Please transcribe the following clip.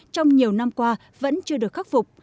trong nhiều năm qua vẫn chưa được khắc phục